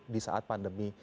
di saat pandemi